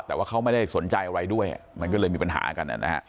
แต่ว่าเขาไม่ได้สนใจอะไรด้วยมันก็เลยมีปัญหากันนะฮะ